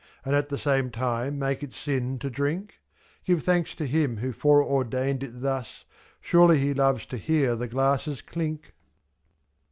And at the same time make it sin to drink? 7/. Give thanks to Him who foreordained it thus — Surely He loves to hear the glasses clink